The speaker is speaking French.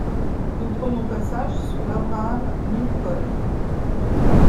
Nous prenons passage sur l’Abraham-Lincoln...